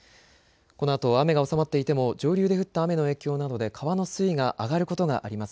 このあと雨が収まっていても上流で降った雨の影響などで川の水位が上がることがあります。